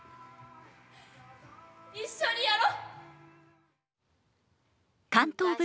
一緒にやろ？